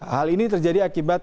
hal ini terjadi akibat